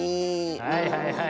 はいはいはい。